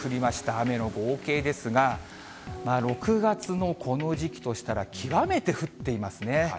雨の合計ですが、６月のこの時期としたら極めて降っていますね。